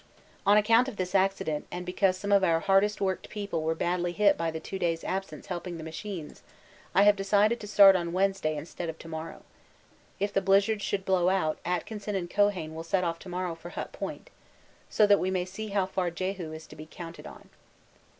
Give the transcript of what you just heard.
On account of this accident and because some of our hardest worked people were badly hit by the two days' absence helping the machines, I have decided to start on Wednesday instead of to morrow. If the blizzard should blow out, Atkinson and Keohane will set off to morrow for Hut Point, so that we may see how far Jehu is to be counted on.